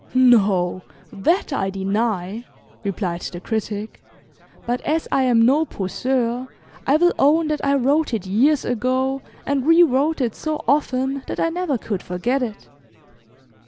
"No, that I deny," replied the Critic, "but as I am no poseur, I will own that I wrote it years ago, and rewrote it so often that I never could forget it.